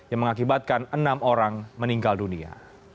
yang mengakibatkan enam orang meninggal dunia